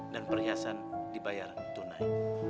dan perhiasan dibayar tunai